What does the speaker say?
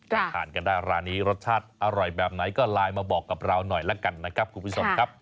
ก็ทานกันได้ร้านนี้รสชาติอร่อยแบบไหนก็ไลน์มาบอกกับเราหน่อยละกันนะครับคุณผู้ชมครับ